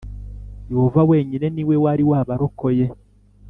yehova wenyine ni we wari wabarokoye,